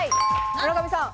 村上さん。